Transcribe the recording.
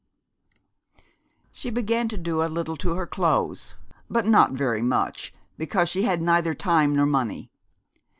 She began to do a little to her clothes, but not very much, because she had neither time nor money.